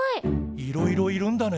いろいろいるんだね。